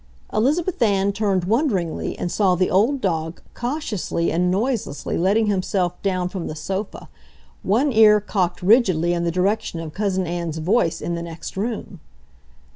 Elizabeth Ann turned wonderingly and saw the old dog cautiously and noiselessly letting himself down from the sofa, one ear cocked rigidly in the direction of Cousin Ann's voice in the next room.